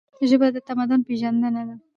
ژبه د تمدن پیژندنه ده.